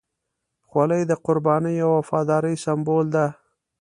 خولۍ د قربانۍ او وفادارۍ سمبول ده.